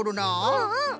うんうん。